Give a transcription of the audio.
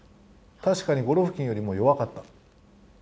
確かにゴロフキンよりも弱かった。